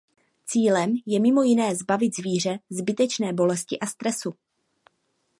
Cílem je mimo jiné zbavit zvíře zbytečné bolesti a stresu.